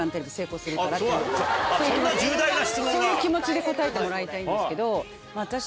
そういう気持ちで答えてもらいたいんですけど。